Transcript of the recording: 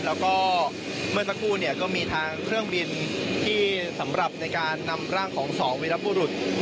แล้วก็เมื่อสักครู่ก็มีทางเครื่องบินที่สำหรับในการนำร่างของ๒วีรัตน์ผู้หลุด